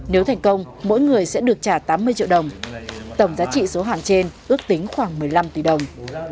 nếu thành công mỗi người sẽ được trả tám mươi triệu đồng tổng giá trị số hàng trên ước tính khoảng một mươi năm tỷ đồng